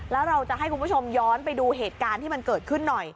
แล้วเราจะให้คุณผู้ชมย้อนไปดูเหตุการณ์ที่มันเกิดขึ้นหน่อย